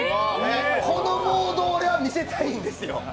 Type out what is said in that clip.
このモードが見せたいんですよ。